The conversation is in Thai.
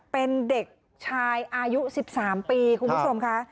เป็นเด็กชายอายุ๑๓ปีคุณผู้ชมค่ะ